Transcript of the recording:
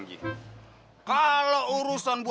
aji kalau urusan buat